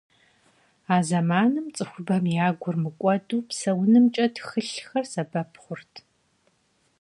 А зэманым цӏыхубэм я гур мыкӏуэду псэунымкӏэ тхылъхэр сэбэп хъурт.